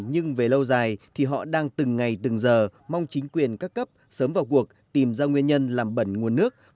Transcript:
nhưng về lâu dài thì họ đang từng ngày từng giờ mong chính quyền các cấp sớm vào cuộc tìm ra nguyên nhân làm bẩn nguồn nước